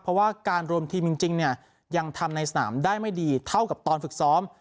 เพราะว่าการรวมทีมจริงเนี่ยยังทำในสนามได้ไม่ดีเท่ากับตอนฝึกซ้อม